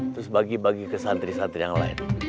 terus bagi bagi ke santri santri yang lain